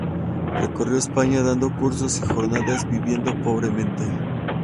Recorrió España dando cursos y jornadas, viviendo pobremente.